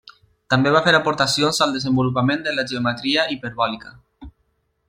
També va fer aportacions al desenvolupament de la geometria hiperbòlica.